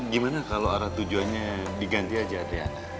gimana kalau arah tujuannya diganti aja